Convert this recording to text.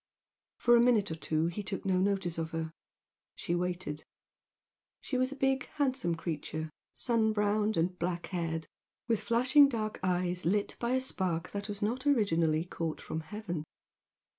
For a minute or two he took no notice of her. She waited. She was a big handsome creature, sun browned and black haired, with flashing dark eyes lit by a spark that was not originally caught from heaven.